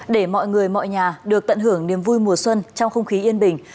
để mọi người mọi nhà được tận hưởng niềm vui mùa xuân trong không khí yên bình